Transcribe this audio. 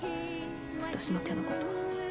私の手のこと。